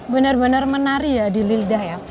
benar benar menari ya di lidah ya